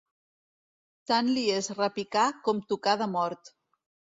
Tant li és repicar com tocar de mort.